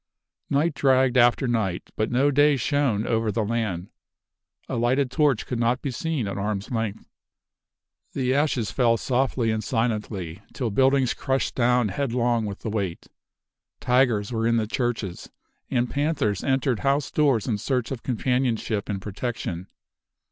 Night dragged after night, but no day shone over the land. A lighted torch could not be seen at arm's length! The ashes fell softly and silently, till buildings crushed down headlong with the weight. Tigers were in the churches, and panthers entered house doors in search of companionship and protection.